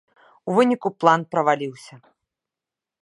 У выніку план праваліўся.